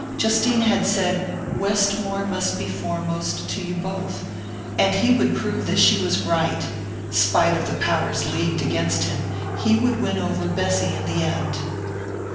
Justine had said "Westmore must be foremost to you both," and he would prove that she was right spite of the powers leagued against him he would win over Bessy in the end!